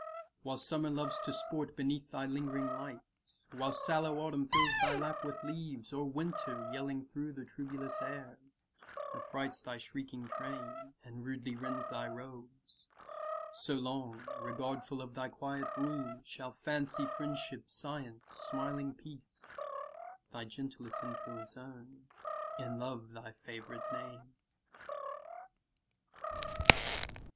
While Summer loves to sport Beneath thy lingering light; While sallow Autumn fills thy lap with leaves, 45 Or Winter, yelling through the troublous air, Affrights thy shrinking train, And rudely rends thy robes: So long, regardful of thy quiet rule, Shall Fancy, Friendship, Science, rose lipp'd Health 50 Thy gentlest influence own, And hymn thy favourite name!